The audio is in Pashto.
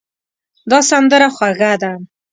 دا سندره خوږه ده.